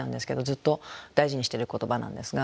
ずっと大事にしてる言葉なんですが。